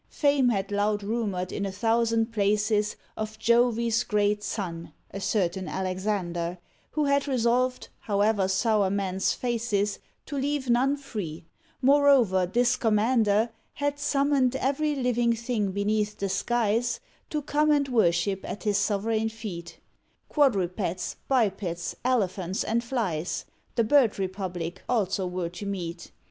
Fame had loud rumoured in a thousand places Of Jove's great son, a certain Alexander, Who had resolved, however sour men's faces, To leave none free; moreover, this commander Had summoned every living thing beneath the skies To come and worship at his sovereign feet: Quadrupeds, bipeds, elephants, and flies; The bird republic, also, were to meet.